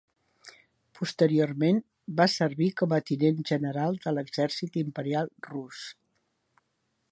Posteriorment, va servir com a tinent general de l'Exèrcit Imperial Rus.